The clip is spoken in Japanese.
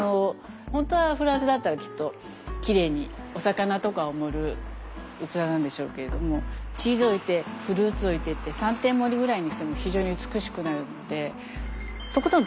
本当はフランスだったらきっとキレイにお魚とかを盛る器なんでしょうけれどもチーズ置いてフルーツ置いてって三点盛りぐらいにしても非常に美しくなるのでとことん使ってみる。